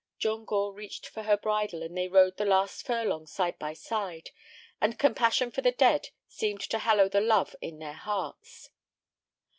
John Gore reached for her bridle, and they rode the last furlong side by side. And compassion for the dead seemed to hallow the love in their hearts.